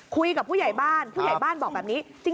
ผู้ใหญ่บ้านผู้ใหญ่บ้านบอกแบบนี้